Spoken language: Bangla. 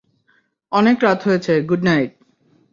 অনেক রাত হয়েছে, গুড নাইট।